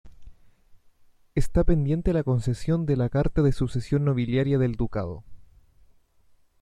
Está pendiente la concesión de la carta de sucesión nobiliaria del ducado.